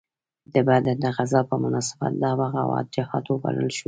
د بدر د غزا په مناسبت دا بغاوت جهاد وبلل شو.